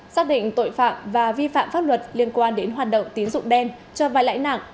xác định tội phạm và vi phạm pháp luật liên quan đến hoạt động tín dụng đen cho vai lãi nặng